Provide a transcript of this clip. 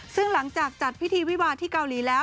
ซึ่งหลังจากจัดพิธีวิวาที่เกาหลีแล้ว